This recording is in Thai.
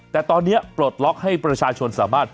แต่ตอนนี้ปลดล็อกให้ประชาชนสามารถ